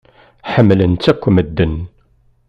Ḥemmlen-tt akk medden.